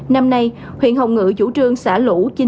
năm nay huyện hồng ngự chủ trương xã lũ